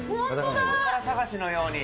宝探しのように。